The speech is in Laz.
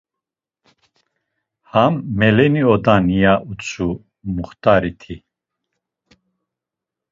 “Ham meleni odan.” ya utzu muxt̆ariti.